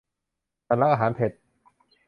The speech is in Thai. ฉันรักอาหารเผ็ด